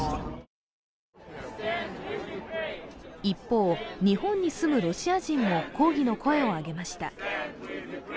一方、日本に住むロシア人も抗議の声を上げました。